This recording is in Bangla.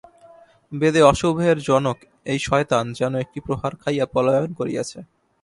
বেদে অশুভের জনক এই শয়তান যেন একটি প্রহার খাইয়া পলায়ন করিয়াছে।